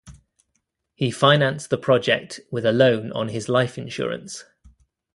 He financed the project with a loan on his life insurance.